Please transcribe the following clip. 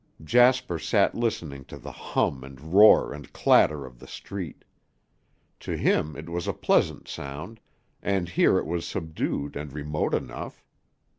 Jasper sat listening to the hum and roar and clatter of the street. To him it was a pleasant sound, and here it was subdued and remote enough.